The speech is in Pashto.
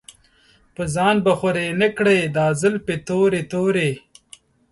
پۀ ځان به خوَرې نۀ کړې دا زلفې تورې تورې